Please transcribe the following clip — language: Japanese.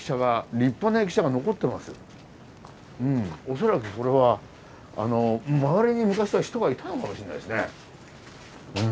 恐らくこれはあの周りに昔は人がいたのかもしれないですね。